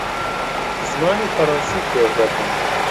زمانی فەڕەنسی فێر دەبم.